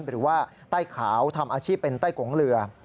หรือว่าใต้ขาวทำอาชีพเป็นไต้กงเรือ